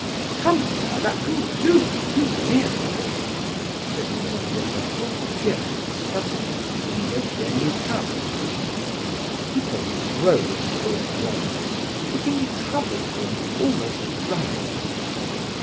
"Come, sir, that will do; you weary me," said Lizabetha Prokofievna suddenly to Evgenie Pavlovitch. Hippolyte rose all at once, looking troubled and almost frightened.